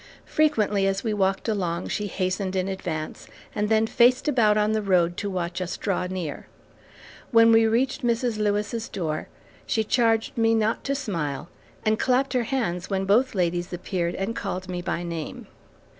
Frequently as we walked along, she hastened in advance, and then faced about on the road to watch us draw near. When we reached Mrs. Lewis's door, she charged me not to smile, and clapped her hands when both ladies appeared and called me by name.